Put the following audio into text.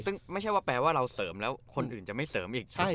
ซึ่งไม่ใช่ว่าแปลว่าเราเสริมแล้วคนอื่นจะไม่เสริมอีก